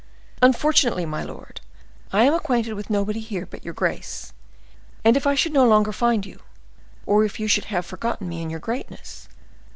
"Unfortunately, my lord, I am acquainted with nobody here but your grace, and if I should no longer find you, or if you should have forgotten me in your greatness?"